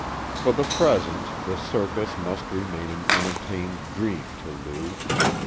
For the present the circus must remain an unattained dream to Lou.